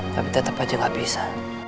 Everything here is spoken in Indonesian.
tapi tetep aja nggak bisa